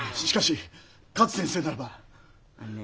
しかし勝先生ならば。